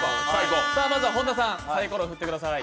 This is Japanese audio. まずは本田さん、サイコロを振ってください。